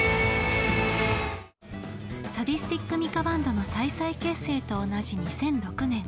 サディスティック・ミカ・バンドの再々結成と同じ２００６年。